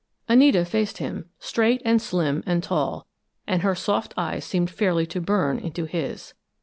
Anita faced him, straight and slim and tall, and her soft eyes seemed fairly to burn into his.